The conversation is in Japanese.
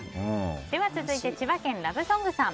続いて千葉県の方。